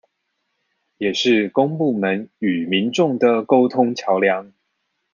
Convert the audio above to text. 也是公部門與民眾的溝通橋樑